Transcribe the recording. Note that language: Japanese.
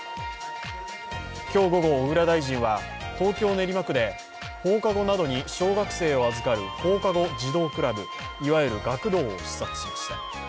今日午後、小倉大臣は東京・練馬区で放課後などに小学生を預かる放課後児童クラブ、いわゆる学童を視察しました。